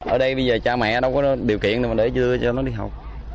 ở đây bây giờ cha mẹ đâu có điều kiện để cho nó đi học